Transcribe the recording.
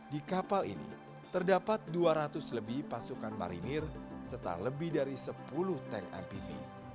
di kapal ini terdapat dua ratus lebih pasukan marinir serta lebih dari sepuluh tank mpv